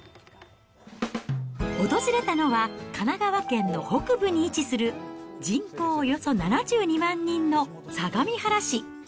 訪れたのは、神奈川県の北部に位置する、人口およそ７２万人の相模原市。